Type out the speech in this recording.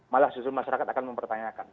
malah justru masyarakat akan mempertanyakan